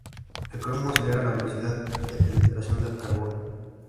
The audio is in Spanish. El cromo acelera la velocidad de penetración del carbono.